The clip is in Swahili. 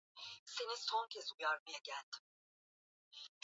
isimila kuna maumbile ya ardhi yaliyotokana na kuhama kwa mchanga